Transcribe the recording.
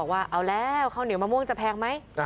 ว่าเอาแล้วข้าวเหนียวมะม่วงจะแพงไหม